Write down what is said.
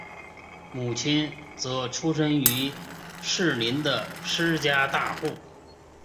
母亲则出身于士林的施家大户。